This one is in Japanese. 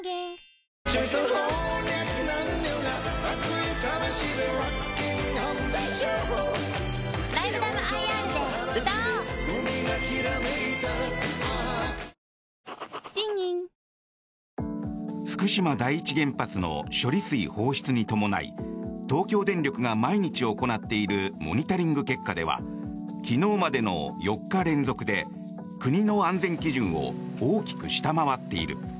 いいじゃないだって福島第一原発の処理水放出に伴い東京電力が毎日行っているモニタリング結果では昨日までの４日連続で国の安全基準を大きく下回っている。